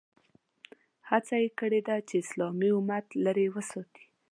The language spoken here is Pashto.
هڅه یې کړې ده چې اسلامي امت لرې وساتي.